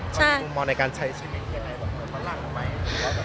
คุณมองในการใช้ชีวิตที่ยังไงมันล่างทำไม